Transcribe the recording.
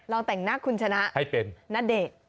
ลองแต่งหน้าคุณชนะให้เป็นนาเดะ